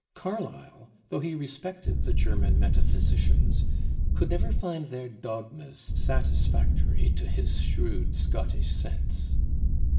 Carlyle, though he respected the German metaphysicians, could never find their dogmas satisfactory to his shrewd Scottish sense.